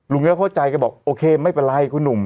เข้าใจก็บอกโอเคไม่เป็นไรคุณหนุ่ม